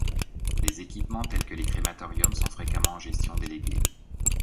Les équipements tels que les crématorium sont fréquemment en gestion déléguée.